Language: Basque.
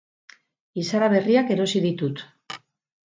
Izara berriak erosi ditut